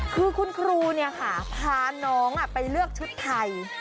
คือคุณครูเนี๊ยด์ค่ะพาน้องไปเลือกชุดไทย